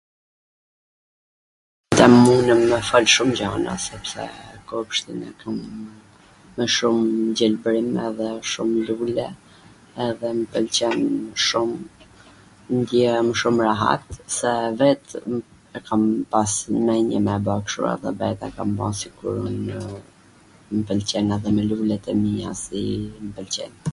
...mundem me fol shum gjana sepse kopshtin e kam me shum gjelbrim edhe shum lule edhe m pwlqen shum, ndjehem shum rehat se vet e kam pas men-jen me e ba kshtu edhe vet e kam ba sikur m pwlqen, edhe me lulet e mia si m pwlqen